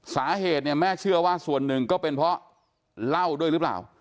สาเหตุเนี่ยแม่เชื่อว่าส่วนหนึ่งก็เป็นเพราะเหล้าด้วยหรือเปล่า